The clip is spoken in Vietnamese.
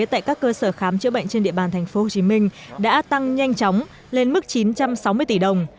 tại các cơ sở khám chữa bệnh trên địa bàn tp hcm đã tăng nhanh chóng lên mức chín trăm sáu mươi tỷ đồng